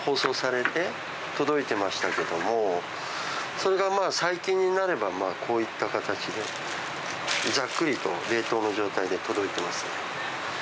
それが最近になればこういった形でざっくりと冷凍の状態で届いてますね。